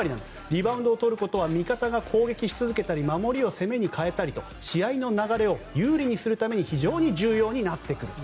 リバウンドを取ることは味方が攻撃し続けたり守りを攻めに変えたりと試合の流れを有利にするために非常に重要になってくると。